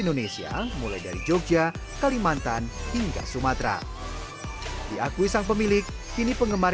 indonesia mulai dari jogja kalimantan hingga sumatera diakui sang pemilik kini penggemar